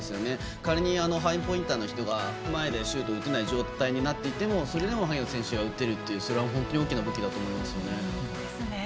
仮にハイポインターの人が前でシュートを打てない状態でもそれでも萩野選手が打てるというのはそれは本当に大きな武器だと思います。